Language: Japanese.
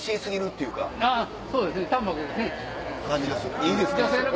いいですか？